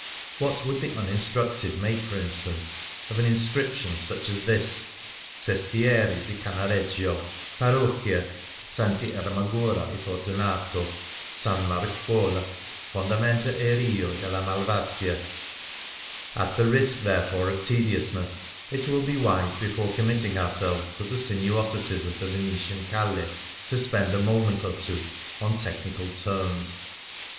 What would the uninstructed make, for instance, of an inscription such as this ?— SESTIERE DI CANNAREGGIO PARROCHIA SS. ERMAGORA E FORTUNATO (s. MARCUOLA) FONDAMENTA E RIO DELLA MALVASIA. 78 mM Venice on Foot At the risk, therefore, of tedioasness, it will be wise, before committing ourselves to the sinuosities of the Venetian calle^ to spend a moment or two on technical terms.